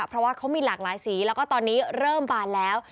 เพราะว่าเขามีหลากหลายสีแล้วก็ตอนนี้เริ่มบานแล้ว